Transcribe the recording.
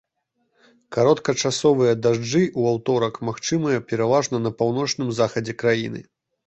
Кароткачасовыя дажджы ў аўторак магчымыя пераважна на паўночным захадзе краіны.